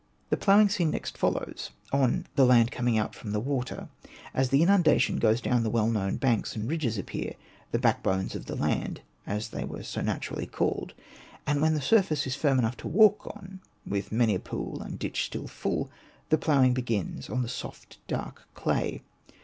The ploughing scene next follows, on " the land coming out from the water "; as the inundation goes down the well known banks and ridges appear, " the back bones of the land," as they were so naturally called ; and when the surface is firm enough to walk on — with many a pool and ditch still full — the ploughing begins on the soft dark clay.